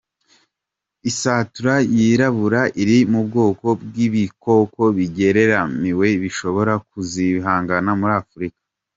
Isatura yirabura iri mu bwoko bw'ibikoko bigeramiwe bishobora kuzimangana muri Afrika.